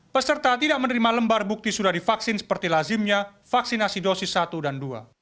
peserta tidak menerima lembar bukti sudah divaksin seperti lazimnya vaksinasi dosis satu dan dua